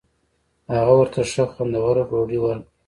هغه ورته ښه خوندوره ډوډۍ ورکړه.